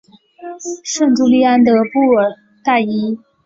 圣朱利安德布尔代伊。